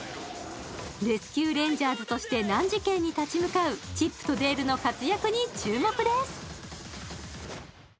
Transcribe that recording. レスキュー・レンジャーズとして難事件に立ち向かうチップとデールの活躍に注目です。